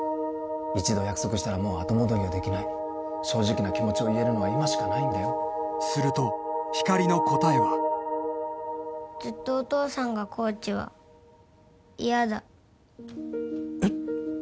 一度約束したらもう後戻りはできない正直な気持ちを言えるのは今しかないんだよするとひかりの答えはずっとお父さんがコーチは嫌だえっ！？